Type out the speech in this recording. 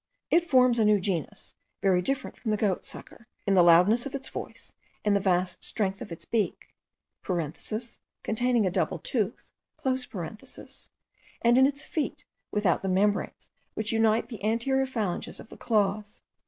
It forms a new genus, very different from the goatsucker, in the loudness of its voice, in the vast strength of its beak (containing a double tooth), and in its feet without the membranes which unite the anterior phalanges of the claws.